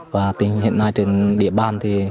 hiện nay trên địa bàn